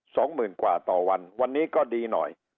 สองหมื่นกว่าต่อวันวันนี้ก็ดีหน่อย